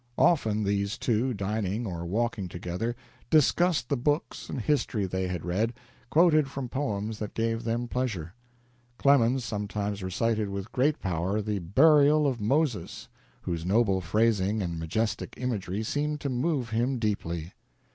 Often these two, dining or walking together, discussed the books and history they had read, quoted from poems that gave them pleasure. Clemens sometimes recited with great power the "Burial of Moses," whose noble phrasing and majestic imagery seemed to move him deeply.